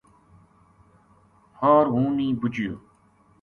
ہو ر ہوں نی بُجیو